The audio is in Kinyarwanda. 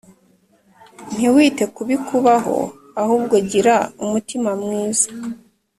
ntiwite kubikubaho ahubwo gira umutima mwiza